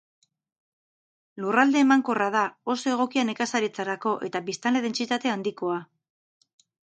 Lurralde emankorra da, oso egokia nekazaritzarako, eta biztanle dentsitate handikoa.